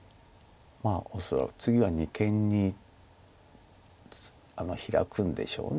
恐らく次は二間にヒラくんでしょう